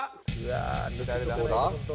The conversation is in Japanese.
どうだ？